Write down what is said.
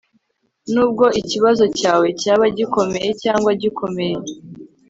nubwo ikibazo cyawe cyaba gikomeye cyangwa gikomeye